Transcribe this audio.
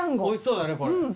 おいしそうだねこれ。